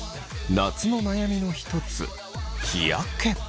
夏の悩みの一つ日焼け。